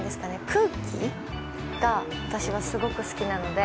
空気が私はすごく好きなので。